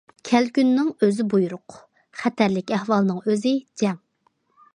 كەلكۈننىڭ ئۆزى بۇيرۇق، خەتەرلىك ئەھۋالنىڭ ئۆزى جەڭ.